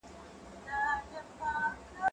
درسونه د زده کوونکي له خوا اورېدلي کيږي؟!